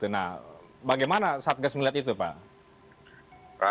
nah bagaimana saat gas melihat itu pak